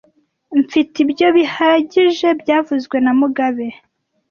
Mfite ibyo bihagije byavuzwe na mugabe